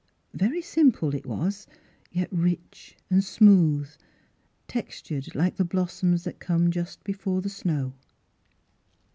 Very simple it was, — yet rich and smooth, textured like the blossoms that come just before the snow.